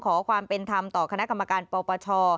ขอความเป็นธรรมต่อคณะกรรมการปปช